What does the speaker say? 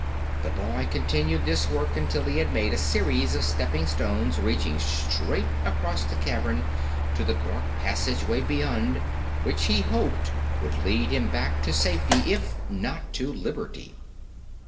The boy continued this work until he had made a series of stepping stones reaching straight across the cavern to the dark passageway beyond, which he hoped would lead him back to safety if not to liberty.